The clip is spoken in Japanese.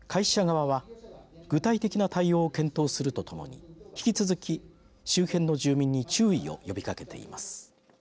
会社側は具体的な対応を検討するとともに引き続き周辺の住民に注意を呼びかけています。